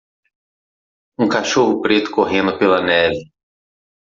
Um cachorro preto correndo pela neve.